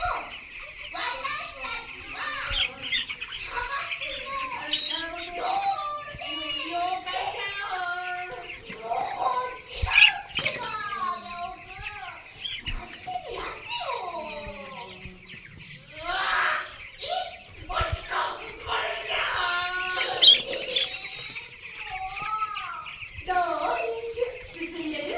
れんしゅうすすんでる？